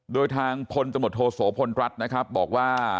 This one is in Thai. โดยทางพลตมธโศพลรัฐนะครับบอกว่า